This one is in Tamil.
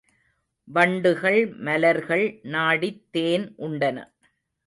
வண்டுகள் மலர்கள் நாடித் தேன் உண்டன.